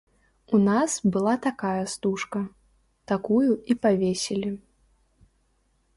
У нас была такая стужка, такую і павесілі.